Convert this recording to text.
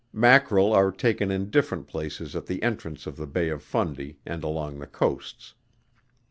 Mackerel are taken in different places at the entrance of the Bay of Fundy, and along the coasts.